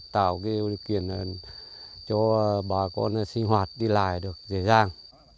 tạo điều kiện cho bà con sinh hoạt đi lại được dễ dàng